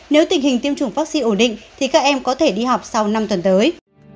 nếu tình hình tiêm chủng vaccine ổn định thì các em có thể đi học sau năm tuần tới